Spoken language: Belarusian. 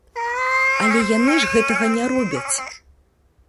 Але яны ж гэтага не робяць.